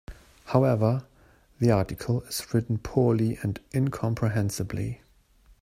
However, the article is written poorly and incomprehensibly.